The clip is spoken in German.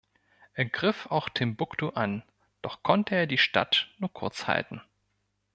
Er griff auch Timbuktu an, doch konnte er die Stadt nur kurz halten.